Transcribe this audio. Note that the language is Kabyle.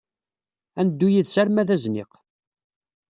Ad neddu yid-s arma d azniq.